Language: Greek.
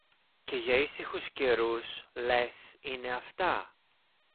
Και για ήσυχους καιρούς, λες, είναι αυτά;